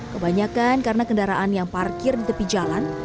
kebanyakan karena kendaraan yang parkir di tepi jalan